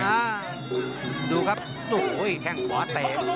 โหยแค่งขวาเตะ